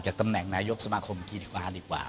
จากตำแหน่งนายกสมาคมกีดีกว่าดีกว่า